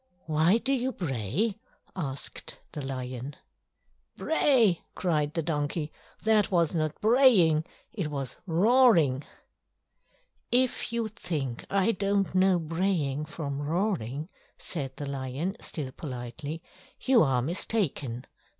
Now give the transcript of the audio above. "Why do you bray?" asked the lion. "Bray!" cried the donkey. "That was not braying—it was roaring!" "If you think I don't know braying from roaring," said the lion, still politely, "you are mistaken.